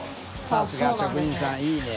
さすが職人さんいいね。